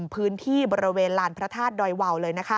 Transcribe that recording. พื้นที่บริเวณราญพระธาตุโดยเว้า